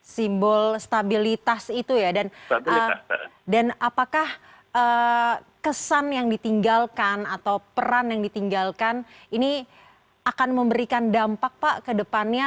simbol stabilitas itu ya dan apakah kesan yang ditinggalkan atau peran yang ditinggalkan ini akan memberikan dampak pak ke depannya